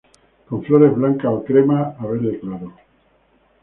Con flores blancas o cremas a verde claro.